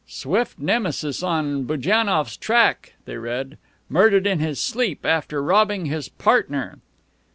"SWIFT NEMESIS ON BUJANNOFF'S TRACK," they read. "MURDERED IN HIS SLEEP AFTER ROBBING HIS PARTNER."